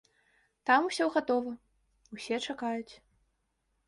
Там усё гатова, усе чакаюць.